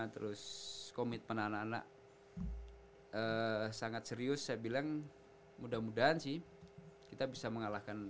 terus komitmen anak anak sangat serius saya bilang mudah mudahan sih kita bisa mengalahkan